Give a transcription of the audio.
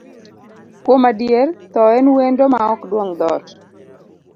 Kuom adier, thoo en wendo maok duong' dhoot.